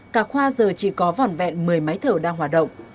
cả khoa giờ chỉ có vỏn vẹn một mươi máy thở đang hoạt động